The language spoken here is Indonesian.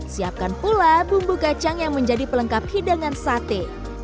siapkan pula bumbu kacang yang menjadi pelengkap hidangan sate